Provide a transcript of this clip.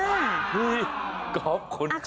เฮ้ยกอฟคนจน